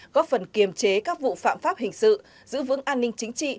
góp phần kiềm chế các vụ phạm pháp hình sự giữ vững an ninh chính trị